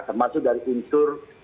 termasuk dari unsur